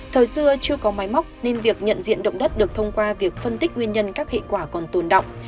thời xưa chưa có máy móc nên việc nhận diện động đất được thông qua việc phân tích nguyên nhân các hệ quả còn tồn động